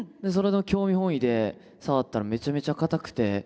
それで興味本位で触ったらめちゃめちゃ硬くて。